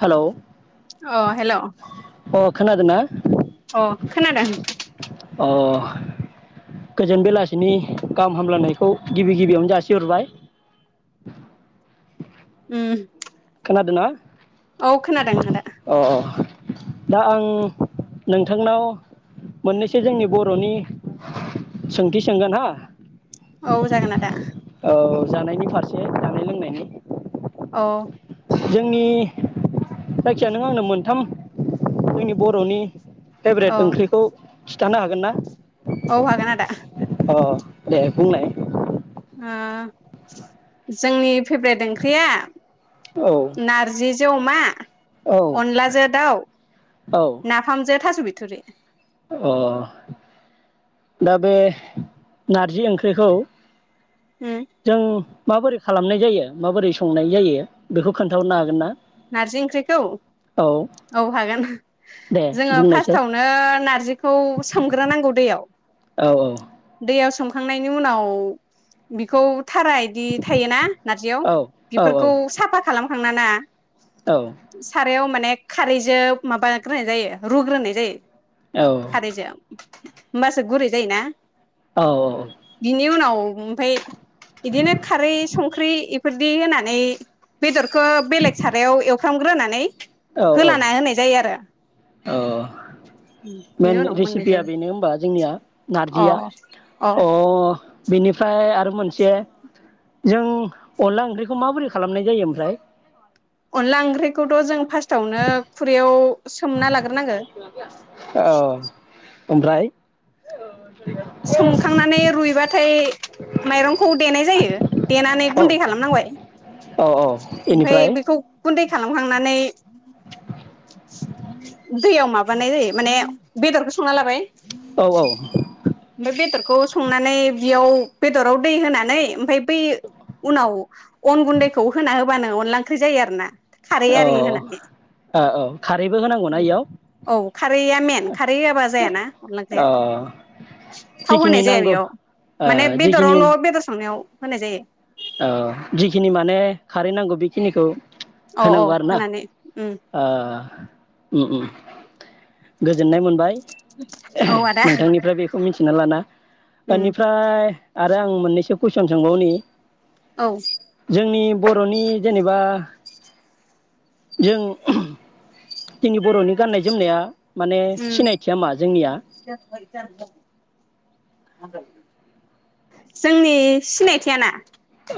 Hello अ hello. अ खोनादोंना? अ खोनादों। अ गोजोन बेलासिनि गाहाम हामलायनायखौ गिबि गिबियावनो जासिहरबाय उम। खोनादोंना। औ खोनादों आदा। अ दा आं नोंथांनाव मोननैसो जोंनि बर'नि सोंथि सोंगोन हा। औ जागोन आदा। औ जानायनि फारसे जानाय लोंनायखौ। औ। जोंनि जायखिया नों आंनो मोनथाम जोंनि बर'नि। फेभ्रेट औ ओंख्रिखौ। थानो हागोन ना। औ हागोन आदा। अ दे बुंनाय। ओ जोंनि फेभ्रेट ओंख्रिया। औ नारजि। जो अमा। औ अनलाजों दाउ औ नाफामजों थास' बिथ। थुरै। अ। दा बे नारजि ओंख्रिखौ। उम जों। माबोरै खालामनाय जायो माबोरै संनाय जायो बेखौ खोन्थाहरनो हागोन ना। नारजि ओंख्रिखौ औ औ हागोन दे जोङो बुंनायसाय फार्स्टआवनो नारजिखौ सोमग्रोनांगौ दैयाव। औ औ दैयाव सोखांनायनि उनाव बिखौ थारा बिदि थायोना नारजियाव औ औ बेफोरखौ साफा खालामखांना ना? औ सारायाव माने खारैजों माबाग्रोनाय जायो रुग्रोनाय जायो। औ खारैजो। होमबासो गुरै जायो ना? औ औ। ओमफाय इदिनो खारै संख्रि इफोरदि होनानै बेदर खो बेलेग सारायाव एवफ्रामग्रोनानै होलाना होनाय जायो आरो। ओह बिनि मेन उनाव मोननाय रेसिपिया जायो बेनो हबा जोंनिया अ नारजिया अ अह बेनिफ्राय आरो मोनसे जों अनला ओंख्रिखौ माबोरै खालामनाय जायो ओमफ्राय? अनला ओंख्रिखौथ' जों फार्स्ट आवनो खुरैयाव सोमना लाग्रोनांगो। ओमफ्राय? सोमखांनानै रुइबाथाय माइरंखौ देनाय जायो देनानै औ ओमफ्राय औ गुन्दै खालामनांबाय औ औ ओमफाय बेनिफ्राय बेखौ गुन्दै खालामखांनानै दैयाव माबानाय जायो माने बेदरखौ संना लाबाय। [inaudible] औ औ ओमफाय बेदरखौ संनानै बेयाव बेदराव दै होनानै ओमफाय बै उनाव अन गुन्दैखौ होना होबानो अनला ओंख्रि जायो आरो ना। खारै औ ओ आरि होनानै औ खारैबो होनांगौना इयाव औ खारैया मेन खारै होआबा जायाना अनला अ ओख्रिया। थाव जिखिनि होनाय जाया नांगौ बेयाव ओ माने जिखिनि बेदरावल' बेदर संनायाव होनाय जायो। औ जिखिनि माने खारै नांगौ बेखिनिखौ औ होनांगौ औ आरोना होनानै उम ओह। उम उम गोजोननाय मोनबाय। औ आदा। खौ मिथिना लाना। उम ओनिफ्राय आरो आं मोननैसो कुइसन सोंबावनि। औ। जोंनि बर'नि जेनेबा जों जोंनि बर'नि गाननाय जोमनाया माने उम सिनायथिया मा जोंनिया? जोंनि सिनायथिआ ना [unintelligible]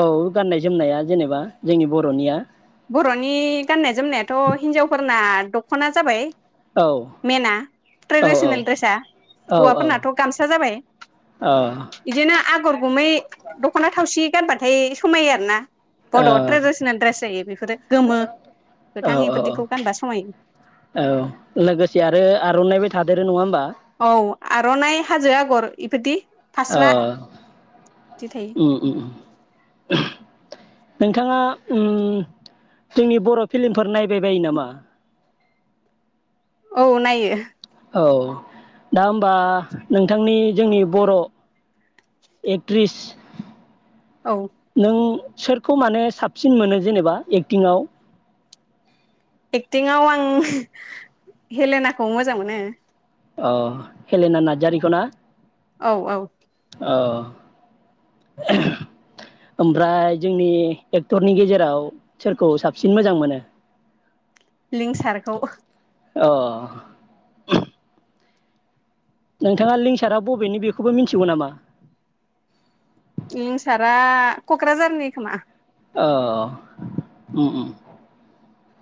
औ गाननाय जोमनाया जेनेबा जोंनि बर'निया बर'नि गाननाय जोमनायाथ' हिनजावफोरना दख'ना जाबाय औ मनाआ औ ट्रेडिसनेल ड्रेसा औ हौवाफोरनाथ' गामसा जाबाय औ बिदिनो आगर गुमै दख'ना थावसि गानबाथाय समायो आरो ना। बर' ट्रेडिस'नेल ड्रेस जायो बेफो औ औ औ गानबा समायो औ लोगोसे आरो आर'नाइ ब थादो नङा होमबा? औ आर'नानाय हाजो आगर इबायदि [unintelligible] अ थायो [unintelligible] नोंथाङा जोंनि बर' फिल्मफोर नायबाय बायो नामा? औ नायो। औ दा होमबा नोंथांनि जोंनि बर' एक्ट्रिस औ नों सोरखौ माने साबसिन मोनो जेनेबा एक्टिंआव? एक्टिंआव आं हेलेनाखौ मोजां मोनो। अ हेलेना नार्जारिखौ ना? औ औ ओमफ्राय जोंनि एक्टरनि गेजेराव? सोरखौ साबसिन मोजां मोनो? लिंसारखौ। अ [inaudible] नोंथाङा लिंसारा बबेनि बेखौबो मिथिगौ नामा? लिंसारा क'क्राझारनि खोमा। औ [inaudible]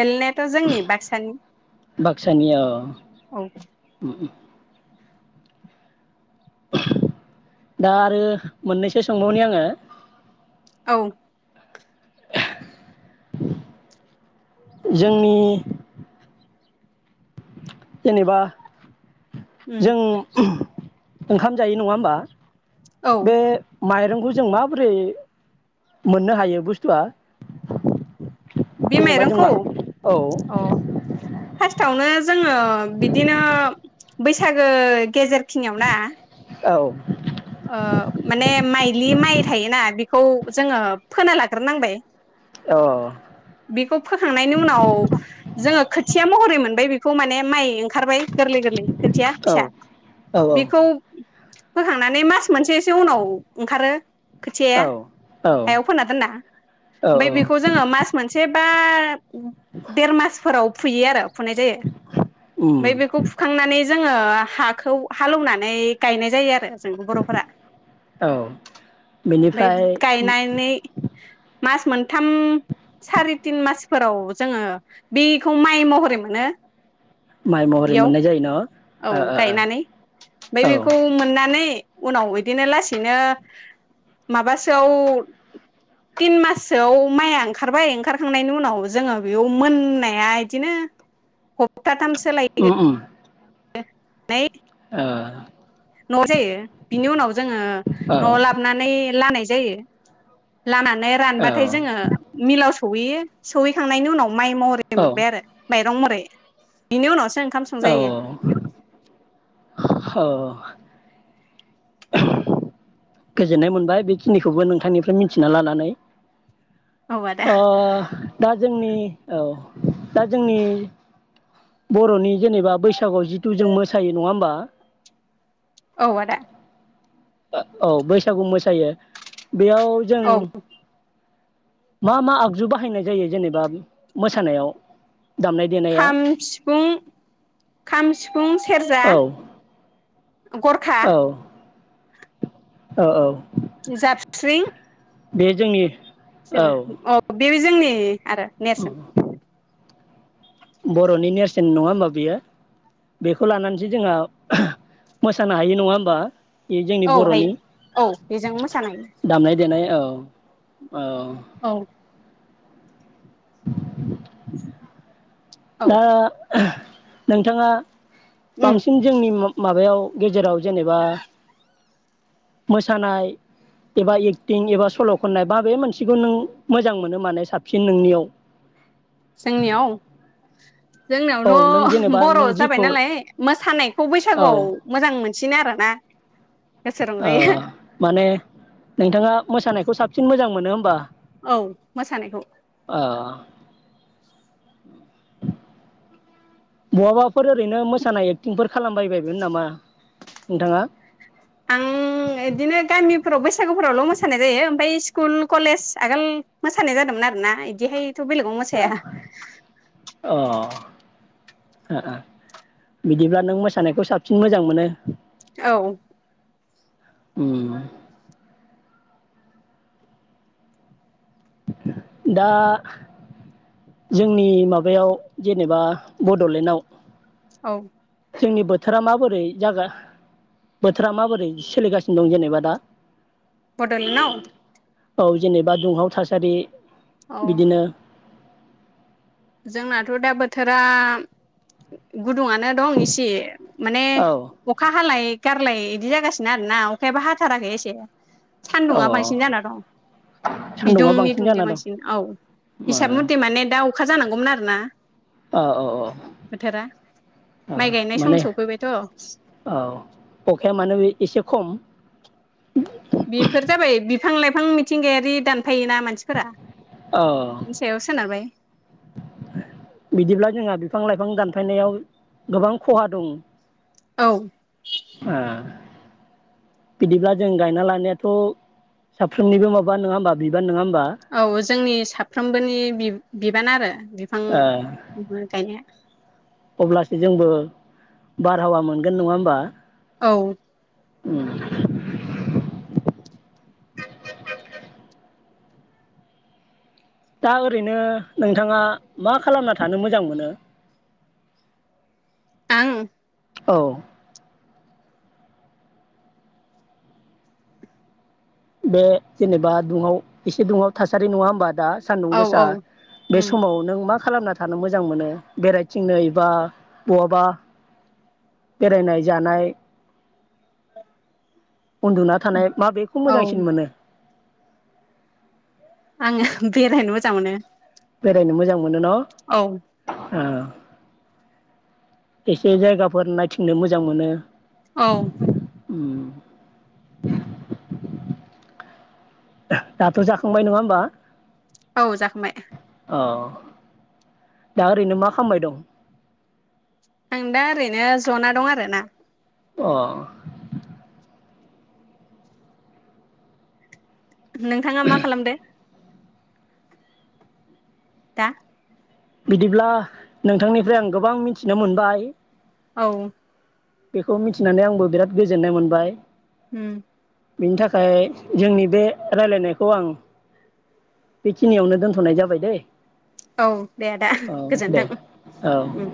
हेलेनायाथ' जोंनि बाक्सानि। बाक्सानि औ। औ द [unintelligible] दा आरो मोननैसो सोंबावनि आङो औ जोंनि जेनेबा उम जों [unintelligible] ओंखाम जायो नङा होमबा औ बे [unintelligible] माइरंखौ जों माबोरै मोननो हायो बुस्थुआ बे जेनेबा जों माइरंखौ मा औ औ अ फार्स्टआवनो जोङो बिदिनो बैसागो गेजेरखिनियाव ना औ ओ माने माइलि माइ थायोना बेखौ जोङो फोना लाग्रोनांबाय औ बेखौ फोखांनायनि उनाव जोङो खोथिया महरै मोनबाय बेखौ माने माइ खारबाय गोरलै गोरलै खोथिया औ फिसा औ बेखौ बखान [inaudible] नानै मास मोनसेसो उनाव ओंखारो खोथियाया औ हायाव फोनना दोन ना औ ओमफ्राय बेखौ जोङो मास मोनसे बा देर मासफोराव फुयो आरो फुनाय जायो उम ओमफ्राय बेखौ फुखांनानै जोङो हाखौ हालौवनानै गायनाय जायो आरो जों बर'फोरा औ ओमफ्राय बेनिफ्राय गायनानै [inaudible] थाम सारि तिन मासफोराव जोङो बेखौ माइ महरै मोनो माइ महरै बेयाव मोननाय जायो न' औ गायनानै ओमफ्राय ओ औ बेखौ मोननानै उनाव बिदिनो लासैनो माबासोआव तिन मासोआव माइआ ओंखारबाय ओंखारखांनायनि उनाव जोङो बेयाव मोननाया बिदिनो हप्थाथाम [inaudible] ननाय [inaudible] [inaudible] न' जायो बिनि उनाव जोङो औ न'आव लाबोनानै लानाय जायो लामनानै रानबाथाय जोङो मिलाव सौहैयो सौहैखांनायनि उनाव माइ महरै मोनबाय आरो माइरं महरै इनि उन आसां [inaudible] औ औ [inaudible] गोजोननाय मोनबाय बेखिनिखौबो नोंथांनिफ्राय मिथिना लानानै औ आदा ओ दा जोंनि औ दा जोंनि बरनि जेनेबा बैसागुआव जिथु जों मोसायो नङा होमबा। औ आदा ओ औ बैसागु मोसायो बेयाव जों औ मा मा आगजु बाहायनाय जायो जेनेबा मोसानायाव। दामनाय देनाया खाम सिफुं खाम सिफुं सेरजा औ गरखा। ओ औ। जाबस्रिं। बे जोंनि। औ [unintelligible] बे जोंनि। आरो नेरसोन। बरनि नेरसोन नङा होमबा बेयो बेखौ लानानैसो जोंहा मोसानो हायो नङा होमबा। ए जोंनि औ हायो बरनि औ बेजों मोसानाय दामनाय देनाय औ। ओ। औ [inaudible] औ दा ओह। नोंथाङा। उम बांसिन जोंनि मा-माबायाव। गेजेराव जेनेबा मोसानाय एबा एक्टिं एबा सल खननाय माबे मोनसेखौ नों मोजां मोनो माने साबसिन नोंनियाव। जोंनियाव। औ नों जोंनावथ जेनेबा बर नों जाबाय जिखौ नालाय मासानायखौ औ बैसागुआव मोजां मोन। सिन आरोना। गोसो अ रंजायो माने नोंथाङा। मोसानायखौ साबसिन मोजां मोनो होमबा? औ मोसानायखौ। अ बहाबाफोर ओरैनो मोसानाय एक्टिंफोर खालामबायबायमोन नामा नोंथाङा? आं इदिनो गामिफोराव बैसागुफोरावल मोसानाय जायो ओमफ्राय स्कुल कलेज आगोल मोसानाय जादोंमोन आरोना इदिहाय। थ बेलेग मोसाया। अ ओ ओ बिदिब्ला नों मोसानायखौ साबसिन मोजां मोनो? औ। उम। दा जोंनि माबायाव जेनेबा बडलेण्डआव। औ। जोंनि बोथोरा माबोरै जागा बोथोरा माबोरै सोलिगासिनो दं जेनेबा दा? बडलेण्डआव? औ जेनेबा दुंहाव थासारि। औ बिदिनो जोंनाथ' दा बोथोरा गुदुङानो दं इसे। माने औ अखा हालाय गारलाय इदि जागासिनो आरोना अखायाबो हाथाराखै एसे। औ सानदुंङा बांसिन जाना दं। सान्दुंङा बिदुंनि बांसिन दुंथाया जाना दं बांसिन औ हिसाब मुथे औ माने दा अ जानांगौमोन आरो ना? आ अ' अ' [unintelligible] माइ अ' गायनाय सम माने सफैबायथ' औ अखाया मानोे बे एसे खम। बेफोर जाबाय बि फां लाइफां मिथिंगायारि दानफायोना मानसि फोरा औ बिनि सायाव सोनारबाय। बिदिब्ला जोंहा बिफां लाइफां दानफायनायाव गोबां खहा दं। औ आ बिदिब्ला जों गायना लानायाथ' साफ्रोमनिबो माबा नङा होमबा बिबान नङा होम औ जोंनि साफ्रोमबोनि बि-बि बान आरो। बिफां ओ गायनाया अब्लासो जोंबो बारहावा मोनगोन नङा होमबा? औ। उम दा ओरैनो नोंथाङा मा खालामना थानो मोजां मोनो? आं? औ। बे जेनेबा दुंहाव एसे दुंहाव थासारि नङा होमबा? दा सान्दुं औ गोसा औ बे उम समाव नों मा खालामना थानो मोजां मोनो? बेरायथिंनो एबा बहाबा बेरायनाय जानाय, उन्दुना थानाय माबेखौ औ मोजांसिन मोनो? आङो बेरायनो मोजां मोनो। बेरायनो मोजां मोनो न'? औ आ एसे जायगाफोर नायथिंनो मोजां मोनो? औ। उम दाथ' जाखांबाय नङा होमबा? औ जाखांबाय। अ' दा ओरैनो मा खालामबाय दं? आं दा ओरैनो ज'ना दं आरोना। अ' नोंथाङा मा खालामदो? दा बिदिब्ला नोंथांनिफ्राय आं गोबां मिथिनो मोनबाय। औ। बेखौ मिथिनानै आंबो बिराद गोजोननाय मोनबाय। उम। बिनि थाखाय जोंनि बे राय्लायनायखौ आं बेखिनियावनो दोनथ'नाय जाबाय दैे। औ दे आदा गोजोन्थों औ उम।